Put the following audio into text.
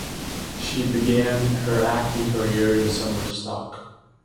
She began her acting career in summer stock.